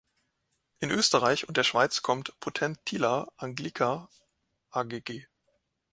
In Österreich und der Schweiz kommt "Potentilla anglica" agg.